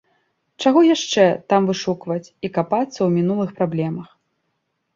Чаго яшчэ там вышукваць і капацца ў мінулых праблемах.